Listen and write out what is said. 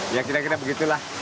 ya kira kira begitulah